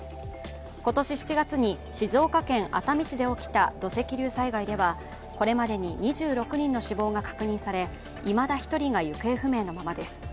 今年７月に静岡県熱海市で起きた土石流災害では、これまでに２６人の死亡が確認され、いまだ１人が行方不明のままです。